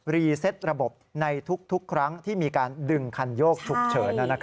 เซ็ตระบบในทุกครั้งที่มีการดึงคันโยกฉุกเฉิน